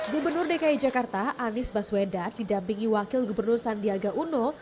gubernur dki jakarta anies baswedan didampingi wakil gubernur sandiaga uno